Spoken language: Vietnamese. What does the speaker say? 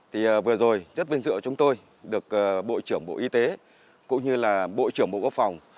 thì vừa rồi rất vinh dự chúng tôi được bộ trưởng bộ y tế cũng như là bộ trưởng bộ quốc phòng